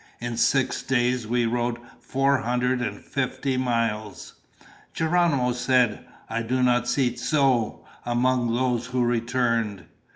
In six days we rode four hundred and fifty miles." Geronimo said, "I do not see Tzoe among those who returned."